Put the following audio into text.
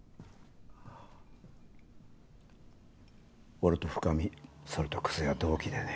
俺と深海それと久瀬は同期でね。